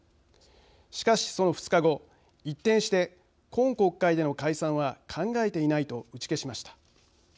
しかし、その２日後、一転して今国会での解散は考えていないと打ち消しました。